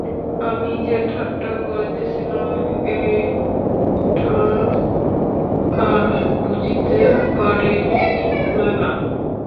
আমি যে ঠাট্টা করিতেছিলাম, এইটে আর বুঝিতে পারিলে না?